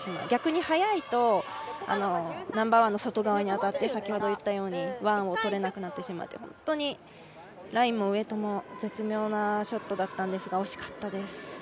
逆に速いとナンバーワンの外側に当たってワンをとれなくなってしまって本当にラインもウエイトも絶妙なショットだったんですが惜しかったです。